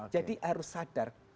jadi harus sadar